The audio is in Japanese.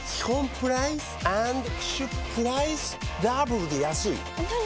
プライスダブルで安いＮｏ！